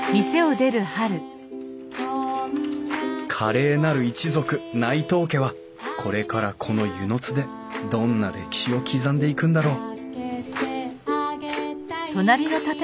華麗なる一族内藤家はこれからこの温泉津でどんな歴史を刻んでいくんだろう